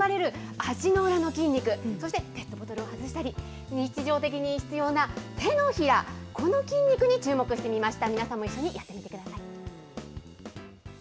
中でもよたっとなったときに、ふんばれる足の裏の筋肉、そしてペットボトルを外したり、日常的に必要な手のひら、この筋肉に注目してみました。